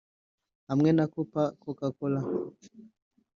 Hamwe na Copa Coca-Cola